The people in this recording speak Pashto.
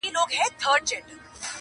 زما هدیرې ته به پېغور راځي،